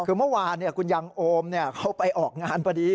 คือเมื่อวานคุณยังโอมเขาไปออกงานพอดี